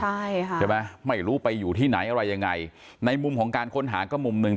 ใช่ค่ะใช่ไหมไม่รู้ไปอยู่ที่ไหนอะไรยังไงในมุมของการค้นหาก็มุมหนึ่ง